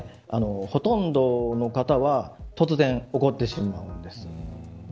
ほとんどの方は突然、起こってしまうんです。